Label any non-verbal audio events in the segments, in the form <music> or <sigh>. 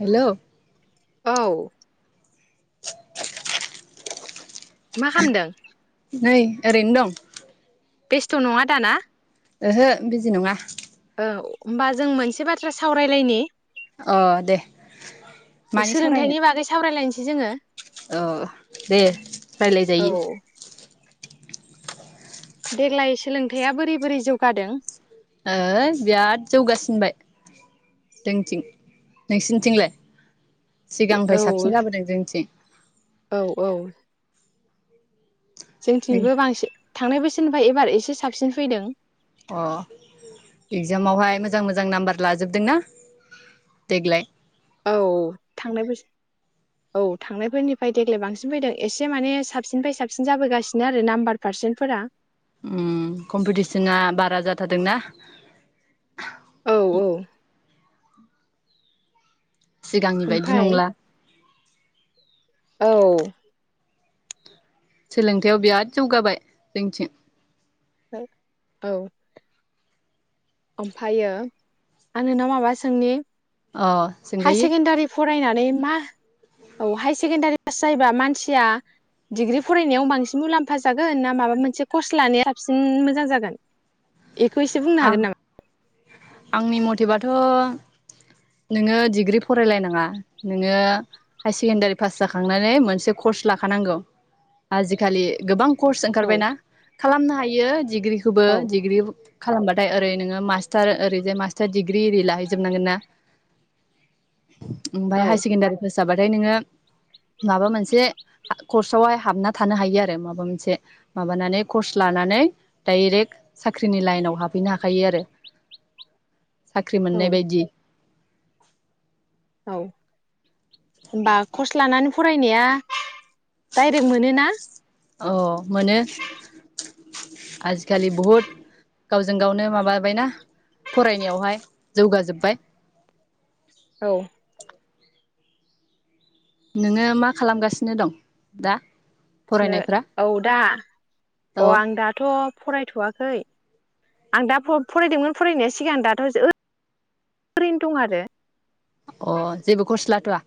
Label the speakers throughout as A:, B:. A: हेल'!
B: औ
A: <inaudible>
B: मा खामदों?
A: नै ओरैनो दं।
B: बेस्थ' नङा दा ना?
A: ओहो बिजि नङा।
B: औ होनोमबा जों मोनसे बाथ्रा सावरायलायनि
A: अ दे मानि सावरायनो?
B: सोलोंथाइनि बागै सावरायलायनोसै जोङो
A: अ दे रायलाय
B: औ
A: जायो।
B: देग्लाय सोलोंथाइआ बोरै बोरै जौगादों?
A: ओ बिराद जौगासिनबाय जोंनिथिं। नोंसिनिथिंलाय?
B: औ
A: सिगांनिफाय साबसिन जाबोदों जोंनिथिं।
B: औ औ जोंथिंबो बांसि थांनाय बैसोरनिफ्राय एबार एसे साबसिन फैदों
A: अ इक्जामावहाय मोजां मोजां नाम्बार लाजोबदों ना देग्लाय
B: औ थांनाय बोसोर औ थांनायफोरनिफ्राय देग्लाय बांसिन फैदों एसे माने साबसिननिफ्राय साबसिन जाबोगासिनो आरो नाम्बार पारसेन्टफोरा
A: ओं कम्पिटिसना बारा जाथारदोंना
B: औ औ
A: <inaudible> सिगांनि बायदि
B: ओमफाय
A: नंला
B: औ
A: सोलोंथायाव बिराद जौगाबाय जोंथिं
B: औ ओमफायो आं नोंनाव माबा सोंनि
A: अ
B: हायार
A: सोंजायो
B: सेकेण्डारि फरायनानै मा औ हाय सेकेणडारि पास जायोबा मानसिया डिग्रि फरायनायाव बांसिन मुलाम्फा जागोन ना माबा मोनसे कर्स लानाया साबसिन मोजां जागोन एखौ एसे बुंनो
A: आं
B: हागोन नामा
A: आंनि मथेबाथ' नोङो डिग्रि फरायलायनाङा नोङो हाय सेकेणडारि पास जाखांनानै मोनसे कर्स लाखानांगौ आजिखालि गोबां कर्स
B: नामा औ
A: ओंखारबायना खालामनो हायो बियो दिग्रिखौबो
B: औ
A: दिग्रि खालामबाथाय ओरै नोङो मास्टार ओरैजाय मास्टार दिडिग्रि ओरि लाहैजोबनांगोन ना ओमफाय
B: औ
A: हायेर सेकेनदारि जाबाथाय नोङो माबा मोनसे कर्सआवहाय हाबना थानो हायो आरो माबा मोनसे माबानानै कर्स लानानै डाइरेक्ट साख्रिनि लाइनाव हाबहैनो हाखायो आरो साख्रि
B: औ
A: मोननाय बायदि
B: औ बा खस लानानै फरायनाया डाइरेक्ट मोनो ना
A: अ मोनो आजिखालि बहुद गावजों गावनो माबाबायना फरायनायावहाय जौगाजोब्बाय
B: औ
A: नोङो मा खालामगासिनो दं दा फरायनायफ्रा
B: औ दा
A: औ
B: अ आं दाथ' फरायथ'वाखै आं दा फ फरायदोंमोन फरायनाय सिगां दाथ' ओरैनो दं आरो
A: अ जेबो खर्स लाथ'वा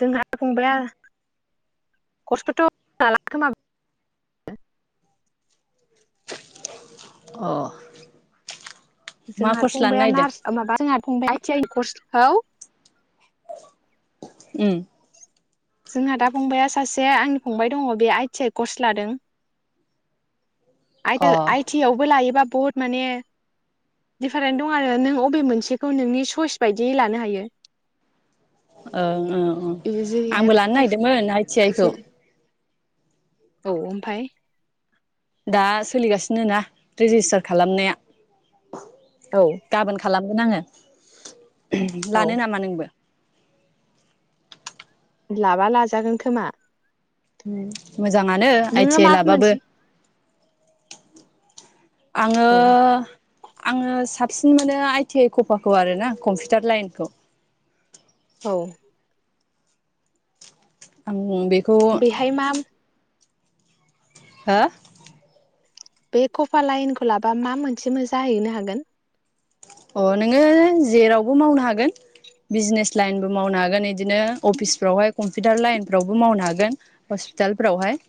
B: जोंहा फंबाया खस्थ' लाला खोमा
A: अ मा
B: जोंहा
A: कर्स लानो
B: फंबाया नार्स
A: नागिरदों
B: माबा जोंहा फंबाया आइ टि आइ कर्स हौ
A: उम
B: जोंहा दा फंबाया सासे आंनि फंबाय दङ बे आइ टि आइ कर्स लादों। आ
A: अ
B: आइ टि आवबो लायोबा बहुद माने डिफारेन्ट दं आरो नों अबे मोनसेखौ नोंनि सइस बायदियै लानो हायो।
A: औ ओं
B: जेरैहाय
A: आंबो लानो नागिरदोंमोन आइ टि आइ खौ
B: जेरै औ ओमफाय
A: दा सोलिगासिनो ना रेजिस्टार खालामनाया।
B: औ
A: गाबोन खालामगोन आङो।
B: औ
A: लानो नामा नोंबो?
B: लाबा लाजागोन खोमा।
A: <unintelligible> मोजाङानो आइ
B: नोङो
A: टि आइ
B: मा
A: लाबाबो।
B: मोनसे
A: आङो
B: औ
A: आङो साबसिन मोनो आइटि आइ कफाखौ आरो ना कम्पिउटार लाइन
B: औ
A: आं बे
B: बेहाय माम
A: हो
B: बे कफा लाइनखौ लाबा मा मोनसेबो जाहैनो हागोन?
A: अ नोङो जेरावबो मावनो हागोन बिजनेस लाइनबो मावनो हागोन इदिनो अफिसफ्रावहाय कम्पिउटार लाइनफ्रावबो मावनो हागोन हस्पितालफ्रावहाय।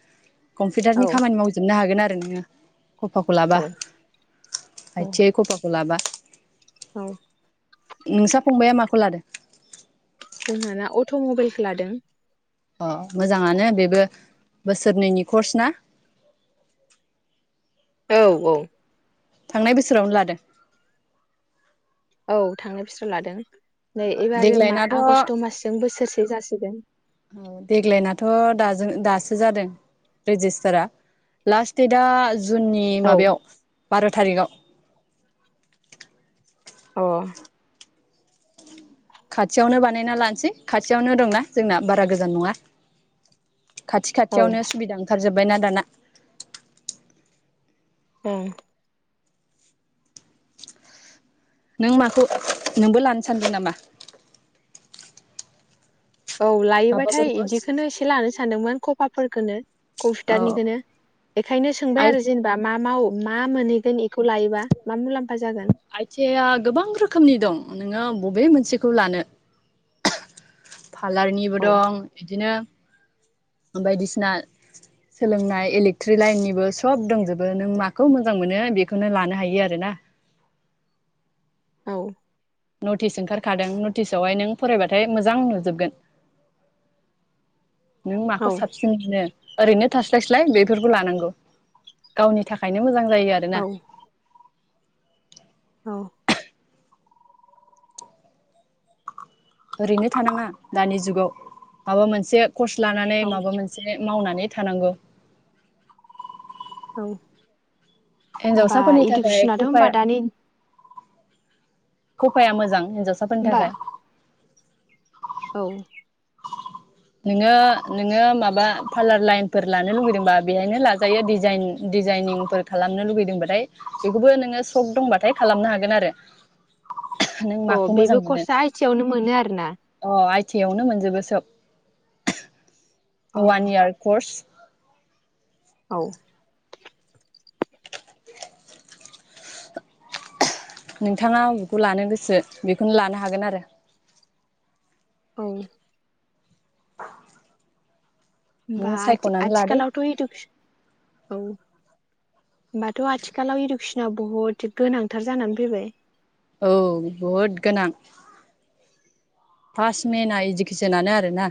A: कम्पिउटार
B: औ
A: खामानि मावजोबनो हागोन आरो <inaudible> खफाखौ लाबा
B: औ
A: आथियै खफाखौ लाबा
B: औ
A: नोंसा फंबाइाया माखौ लादों?
B: जोंहाना अट' मबाइलखौ लादों।
A: अ मोजाङानो बेबो बोसोरनैनि कर्स ना?
B: औ औ
A: थांनाय बोसोरावनो लादों।
B: औ थांनाय बोसोराव लादों। नै एबारो मा
A: देग्लायनाथ'
B: आगस्ट' मासजों बोसोरसे जासिगोन।
A: औ देग्लायनाथ' दाजों दासो जादों रेजिस्टारा लास्ट देटआ जुननि
B: औ
A: माबायाव बार' थारिखआव
B: अ
A: खाथियावनो बानायना लानोसै खाथियावनो दंना जोंना बारा गोजान नङा। खाथि
B: औ
A: खाथियावनो सुबिदा ओंखारजोब बायना दाना।
B: ओं
A: नों माखौ, नोंबो लानो सानदों नामा?
B: औ लायोबाथाय
A: माबाफोरखौ
B: इदिखौनो एसे लानो सानदोंमोन कफाफोरखौनो
A: औ
B: कम्पिटारनिखौ बेखायनो सोंबाय आरो जेनेबा मा माव मा मोनहैगोन बेखौ लायोबा मा मुलाम
A: आइ थि आइ या गोबां रोखोमनि दं नोङो बबे मोनसेखौ लानो? पार्लारनिबो
B: औ
A: दं बिदिनो बायदिसिना सोलोंनाय इलेक्ट्रिक लाइननिबो सब दंजोबो नों माखौ मोजां मोनो बेखौनो लानो हायो आरोना।
B: औ
A: नटिस ओंखारखादों नटिसावहाय नों फरायबाथाय मोजां नुजोबगोन। नों
B: औ
A: माखौ साबसिन मोनो ओरैनो थास्लायस्लाय बेफोरखौ लानांगौ। गावनि थाखायनो मोजां जायो आरो
B: औ
A: ना।
B: अ।
A: ओरैनो थानाङा दानि जुगाव। माबा मोनसे कर्स लानानै
B: औ
A: माबा मोनसे मावनानै थानांगौ।
B: औ।
A: हिनजावसाफोरनि थाखाय खफाया
B: दानि
A: खफाया मोजां। हिन्जावसा फोरनि
B: होमबा
A: थाखाय।
B: औ।
A: नोङो नोङो माबा पार्लार लाइनफोर लानो लुगैदोंबा बेहायनो लाजायोजाइन दिजाइन-दिजाइनिंफोर खालामनो लुगैदोंबाथाय बेखौबो नोङो सक दंबाथाय खालामनो हागोन आरो। नों
B: अ
A: माखौ मोजां
B: बेबो
A: मोनो
B: खसा आइ थि आइ यावनो मोनो आरोना।
A: थियावनो मोन जोबो सब।
B: अ
A: वान इयार कर्स।
B: औ।
A: नोंथाङा अबेखौ लानो गोसो बेखौनो लानो हागोन आरो।
B: औ। बा
A: नों
B: आथि-
A: सायख'नानै लादो
B: आथिखालावथ' इदुकेस औ होमबाथ' आथिखालाव इदुकेसनाव बहुत गोनांथार जानानै फैबाय।
A: औ बहुद गोनां। फार्स्ट मेना इडुकेसनानो आरोना।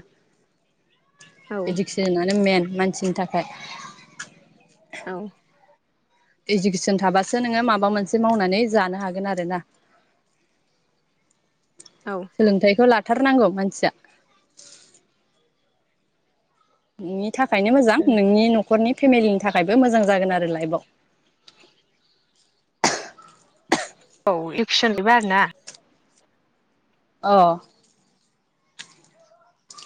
B: औ
A: इदुकेसनआनो मेन मा <unintelligible> थाखाय।
B: औ।
A: इडुकेसन थाबासो नोङो माबा मोनसे मावनानै जानो हागोन आरोना।
B: औ
A: सोलोंथायाइखौ <unintelligible> <unintelligible> थारनांगौ मानसिया। <unintelligible> थाखायनो मोजां नोंनि न'खरनि फेमिलिनि थाखायबो मोजां जागोन आरो लाइफआव।
B: औ <unintelligible> आरो ना।
A: अ।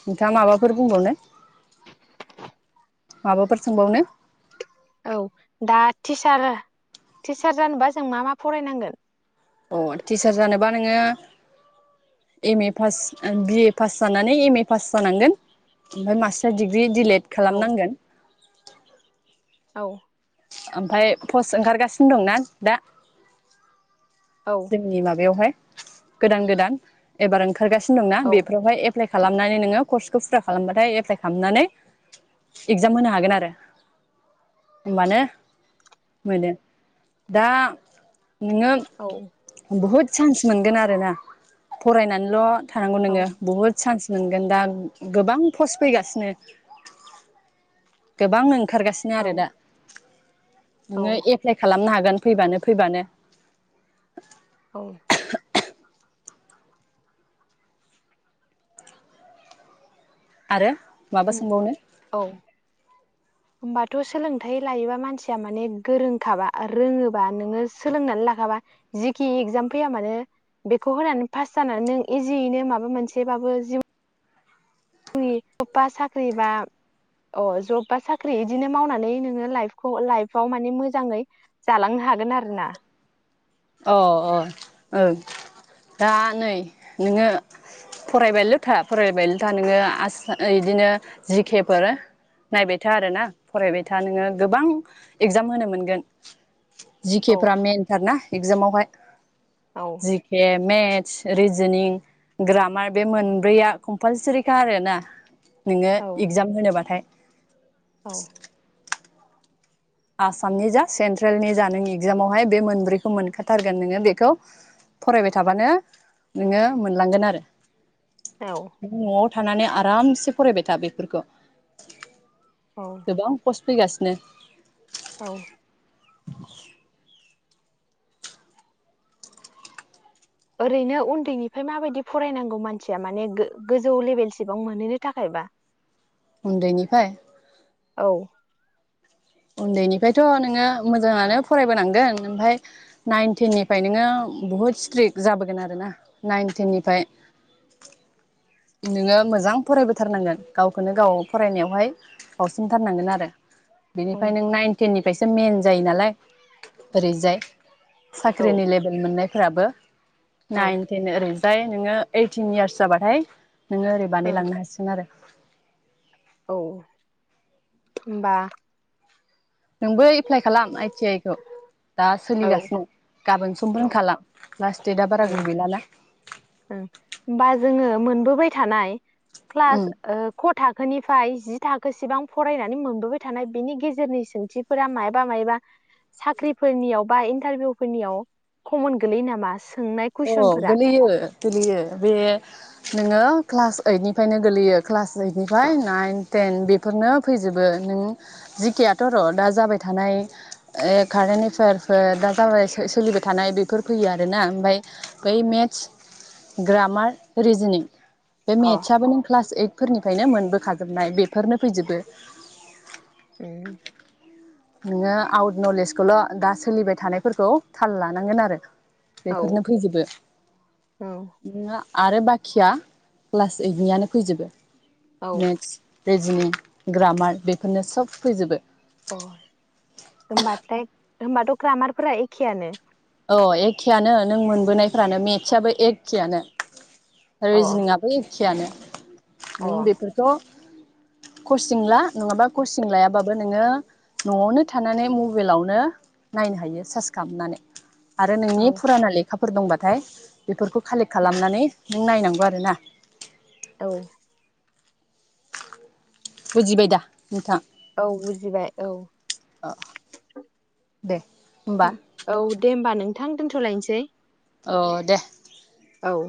A: नोंथाङा माबाफोर बुंबावनो? माबाफोर सोंबावनो?
B: औ दा टिचार टिचार जानोबा जों मा मा फरायनांगोन?
A: अ टिचार जानोबा नोङो M A pass BA pass जानानै एम ए पास जानांगोन ओमफ्राय मास्टार डिग्रि दिडलेट
B: औ
A: खालामनांगोन।
B: औ।
A: ओमफाय पस्ट ओंखारगासिनो दंना दा।
B: औ
A: जोंनि माबायावहाय गोदान गोदान एबार ओंखारगासिनो दंना
B: औ
A: बेफोरावहाय <unintelligible> <unintelligible> खालामनानै नोङो कर्सखौ फुरा खालामबाथाय एप्लाइ खालामनानै एगजाम होनो हागोन आरो। होमबानो मोनो दा नोङो
B: औ
A: बुहुद सान्स मोनगोन आरोना फरायनानैल' थानांगौ नोङो बुहुद चान्स मोनगोन दा गोबां पस्ट फैगासिनो गोबां <unintelligible> ओंखारगासिनो
B: औ
A: आरो दा।
B: औ
A: नोङो एप्लाइ खालामनो <unintelligible> <unintelligible> फैबानो फैबानो।
B: औ।
A: आरो माबा सोंबावनो?
B: औ होमबाथ' सोलोंथाइ लायोबा मानसिया माने गोरोंखाबा रोङोबा नोङो सोलोंनानै लाखाबा जिखि इगजाम फैया मानो बेखौ होनानै पास जानानै नों इजियैनो माबा मोनसेबाबो जिउ <unintelligible> जब बा साख्रि बा अ जब बा साख्रि इदिनो मावनानै नोङो लाइफखौ लाइफआव मान मोजाङै जालांनो हागोन आरोना।
A: अ अ ओं दा नै नोङो फरायबायल'था फरायबायल'था नोङो आस इदिनो जि केे फोर नायबाय था आरोना फरायबाय था नोङो गोबां एगजाम होनो मोनगोन।
B: औ
A: जिकेफ्रा मेएनथार ना। एगजामावहाय
B: औ
A: जिके मेट <unintelligible> रिजनिं ग्रामार बे मोनब्रैया कम्पालसारिखा आरोना नोङो
B: औ
A: इगजाम होनोबाथाय।
B: औ।
A: आसामनि जा सेन्ट्रेलनि जा नों इगजामावहाय बे मोनब्रैखौ मोनखाथारगोन नोङो बेखौ फरायबाय थाबानो नोङो मोनलांगोन आरो।
B: औ
A: नों न'आव थानानै आब रामसे फरायबाय था बेफोरखौ।
B: औ
A: गोबां पस फैगासिनो।
B: औ।
A: <inaudible>
B: ओरैनो उन्दैनिफाय माबायदि फरायनांगौ मानसिया माने गोज गोजौ लेभेलसिबां मोनहैनो थाखायबा।
A: उन्दैनिफाय।
B: औ
A: उन्दैनिफायथ' नोङो मोजाङानो फरायबोनांगोन ओमफाय नाइन टेननिफाय नोङो बहुद स्ट्रिक जाबोगोन आरोना नाइन टेननिफाय नोङो मोजां फरायबोथारनांगोन गावखौनो गाव फरायनायावहाय बावसोमथारनांगोन आरो।
B: औ
A: बिनिफाय नों नाइन तेननिफायसो मेन जायो नालाय ओरैजाय।
B: औ
A: साख्रिनि लेभेल मोननाय। फोराबो।
B: औ ओं
A: नाइन थेन ओरो। ओमफ्राय नोङो ओइटिन यार्स जाबाथाय। नोङो ओरै बानायलांनो हासिगोन आरो।
B: औ होनबा।
A: नोंबो एप्लाइ खालाम आइटि आइ खौ। दा
B: औ
A: सोलिगासिनो गाबोन सम
B: ओं
A: बुंखाला लास। देदआ बारा गोबाव गैलाना।
B: ओ होमबा जोङो मोनबोबाय थानाय।
A: उम
B: क्लास ओ खथा। थाखोनिफ्राय जि थाखोसिबां फरायनानै मोनबोबाय थानाय बिनि गेजेरनि सोंथिफोरा मायबा मायबा साख्रिफोरनियाव बा इन्टारभिउफोरनियाव कमन गोलैयो नामा। सोंनाय
A: अ
B: कुइसनफोरा
A: गोलैयो। गोलैयो बे नोङो क्लास ओइटनिफ्रायनो गोलैयो क्लास ओइटनिफ्राय नाइन टेन बेफोरनो फैजोबो नों जि के याथ' र' दा जाबाय थानाय कारेन्ट एफेयारफोर दा जाबाय सोलिबाय थानाय बेफोर फैयो आरोना ओमफ्राय बै मेथ्स ग्रामार रिजिनिं बे
B: अ
A: मेथ्सआबो नों क्लास ओइट फोरनिफ्रायनो मोनबोखाजोबनाय बेफोरनो फैजोबो
B: उम।
A: नोङो आउट नलेजखौल' दा सोलिबाय थानायफोरखौ थाल लानांगोन आरो।
B: औ
A: बेफोरनो फैजोबो
B: औ
A: ना। आरो बाखिया क्लास ओइटनियानो फैजोबो।
B: औ
A: मेथ्स रेजिनिं ग्रामार बेफोरनो सब फैजोबो
B: अ होमबाथाय होमबाथ ग्रामारफोरा एखेयानो
A: औ एखेआनो नों मोनबोनायफ्रानो मेटसयाबो एखेयानो
B: अ
A: रिजिनिं आबो एखेयानो
B: अ
A: नों बेफोरथ कचिं ला नंङाबा कचिं लायाबाबो नोङो नआवनो थानानै मबाइलावनो नायनो हायो सार्च खालामनानै आरो नोंनि
B: औ
A: फुराना लेखा फोर दंबाथाय बेफोरखौ कालेक्ट
B: उम,
A: खालामनानै नों नायनांगौ आरोना
B: औ
A: बुजिबाय दा नोंथां
B: औ बुजिबाय औ
A: अ दे होमबा
B: <inaudible> औ दे होमबा नोंथां दोन्थ लायनोसै
A: औ दे
B: औ